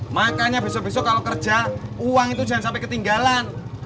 makanya besok besok kalau kerja uang itu jangan sampai ketinggalan